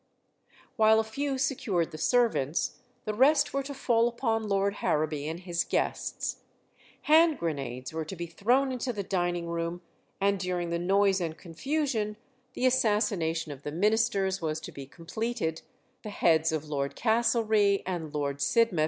While a few secured the servants, the rest were to fall upon Lord Harrowby and his guests. Hand grenades were to be thrown into the dining room, and during the noise and confusion the assassination of the ministers was to be completed, the heads of Lord Castlereagh and Lord [Illustration: THE STABLE &C. IN CATO STREET WHERE THE CONSPIRATORS MET.